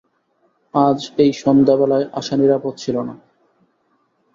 আজ এই সন্ধ্যাবেলায় আসা নিরাপদ ছিল না।